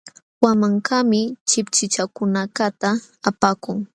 Wanmankaqmi chipchichakunakaqta apakun.